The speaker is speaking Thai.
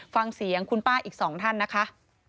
ฟังเสียงคุณป้าอีก๒ท่านนะคะ